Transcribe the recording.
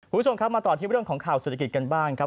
คุณผู้ชมครับมาต่อที่เรื่องของข่าวเศรษฐกิจกันบ้างครับ